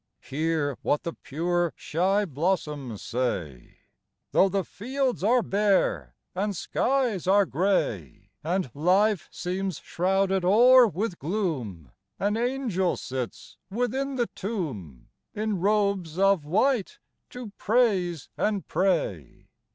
Hear what the pure, shy blossoms say :" Though fields arc bare, and skies are gray, And life seems shrouded o'er with gloom, An angel sits within the tomb, In robes of white, to praise and pray."